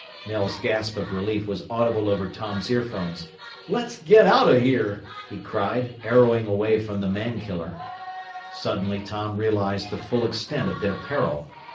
Mel's gasp of relief was audible over Tom's earphones. "Let's get out of here!" he cried, arrowing away from the man killer. Suddenly Tom realized the full extent of their peril.